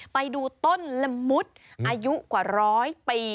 ไปดูต้นละมุดอายุกว่าร้อยปี